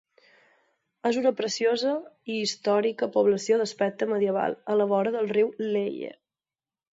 És una preciosa i històrica població d'aspecte medieval, a la vora del riu Leie.